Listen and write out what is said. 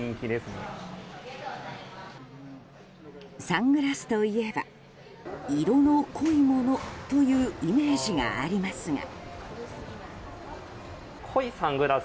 サングラスといえば色の濃いものというイメージがありますが。